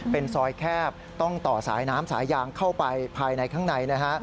เป็นซอยแคบต้องต่อสายน้ำสายยางเข้าไปภายในข้างในนะฮะ